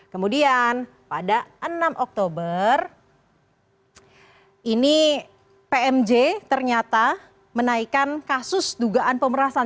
kemudian pada enam oktober ini pmj ternyata menaikkan kasus dugaan pemerasan